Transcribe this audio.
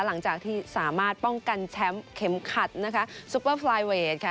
หลังจากที่สามารถป้องกันแชมป์เข็มขัดนะคะซุปเปอร์ฟลายเวทค่ะ